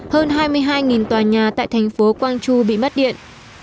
hơn hai mươi hai tòa nhà tại thành phố gwangju bị mất điện